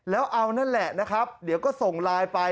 แล้วเอานั่นแหละนะครับเดี๋ยวก็ส่งไลน์ไป